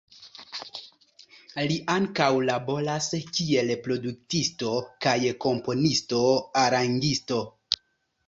Li ankaŭ laboras kiel produktisto kaj komponisto-arangisto.